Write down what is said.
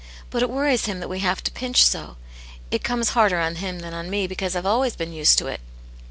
" But it worries him that we have to pinch so. It comes harder on him than on me, because I've always been used to it."